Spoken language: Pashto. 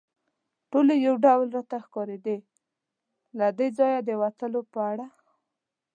ټولې یو ډول راته ښکارېدې، له دې ځایه د وتلو په اړه.